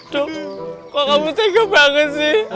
duk kok kamu senggup banget sih